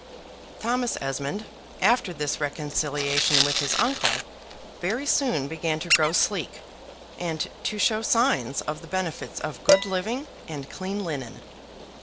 Thomas Esmond, after this reconciliation with his uncle, very soon began to grow sleek, and to show signs of the benefits of good living and clean linen.